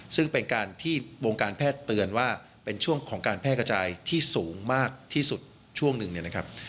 ซึ่งเป็นการที่วงการแพทย์เตือนว่าเป็นช่วงของการแพร่กระจายที่สูงมากที่สุดช่วงหนึ่งเนี่ยนะครับ